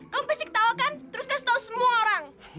kamu pasti ketawa kan terus kasih tau semua orang